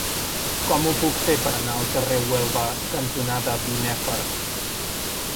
Com ho puc fer per anar al carrer Huelva cantonada Binèfar?